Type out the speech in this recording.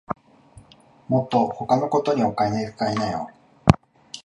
もっと他のことにお金つかいなよ